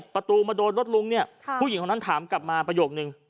ประตูมาโดนรถลุงเนี่ยผู้หญิงคนนั้นถามกลับมาประโยคนึง